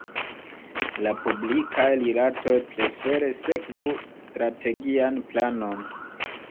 La publikaj rilatoj prefere sekvu strategian planon.